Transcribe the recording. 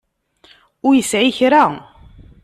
Ur yesɛi kra.